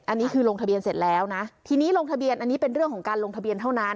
อันนี้คือลงทะเบียนเสร็จแล้วนะทีนี้ลงทะเบียนอันนี้เป็นเรื่องของการลงทะเบียนเท่านั้น